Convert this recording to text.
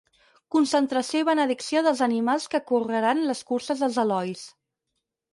Concentració i benedicció dels animals que correran les curses dels Elois.